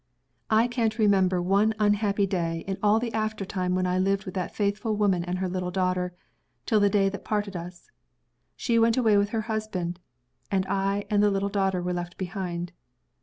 I can't remember one unhappy day in all the after time when I lived with that faithful woman and her little daughter till the day that parted us. She went away with her husband; and I and the little daughter were left behind.